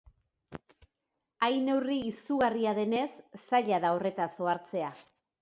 Hain neurri izugarria denez, zaila da horretaz ohartzea.